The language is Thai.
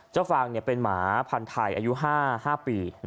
เจ้าฟางเนี่ยเป็นหมาพันธัยอายุ๕ปี